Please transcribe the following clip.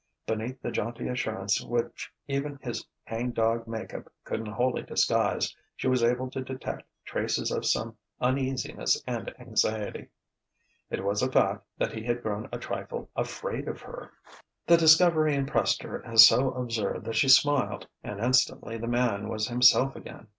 Beneath the jaunty assurance which even his hang dog make up couldn't wholly disguise, she was able to detect traces of some uneasiness and anxiety. It was a fact that he had grown a trifle afraid of her. The discovery impressed her as so absurd that she smiled; and instantly the man was himself again.